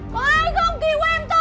có ai không có ai ở nhà không